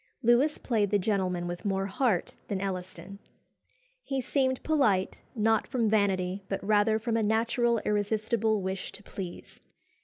Lewis played the gentleman with more heart than Elliston. He seemed polite, not from vanity, but rather from a natural irresistible wish to please.